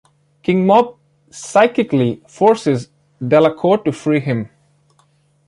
King Mob psychically forces Delacourt to free him.